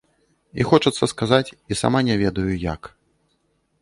І хочацца сказаць, і сама не ведаю як.